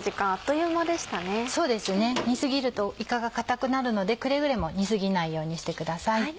そうですね煮過ぎるといかが硬くなるのでくれぐれも煮過ぎないようにしてください。